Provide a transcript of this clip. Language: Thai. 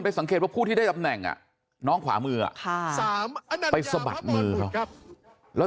สังเกตว่าผู้ที่ได้ตำแหน่งน้องขวามือไปสะบัดมือเขาแล้ว